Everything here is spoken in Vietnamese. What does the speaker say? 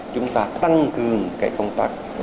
chúng ta tăng cường cái công tác